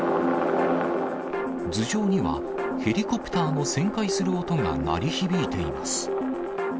頭上には、ヘリコプターの旋回する音が鳴り響いています。